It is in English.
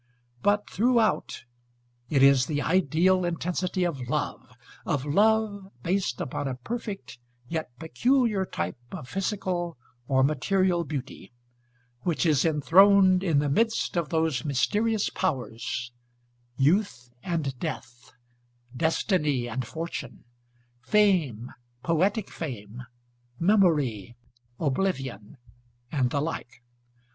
But throughout, it is the ideal intensity of love of love based upon a perfect yet peculiar type of physical or material beauty which is enthroned in the midst of those mysterious powers; Youth and Death, Destiny and Fortune, Fame, Poetic Fame, Memory, Oblivion, and the like.